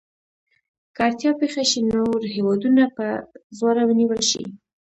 که اړتیا پېښه شي نور هېوادونه په زوره ونیول شي.